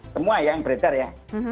semua ya yang breter ya